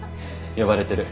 呼ばれてる。